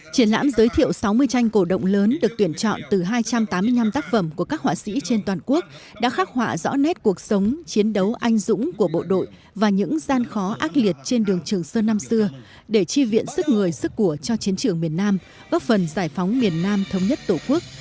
triển lãm giới thiệu sáu mươi tranh cổ động lớn được tuyển chọn từ hai trăm tám mươi năm tác phẩm của các họa sĩ trên toàn quốc đã khắc họa rõ nét cuộc sống chiến đấu anh dũng của bộ đội và những gian khó ác liệt trên đường trường sơn năm xưa để chi viện sức người sức của cho chiến trường miền nam góp phần giải phóng miền nam thống nhất tổ quốc